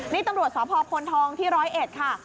นี่ตำรวจสพพลทองที่๑๐๑ค่ะ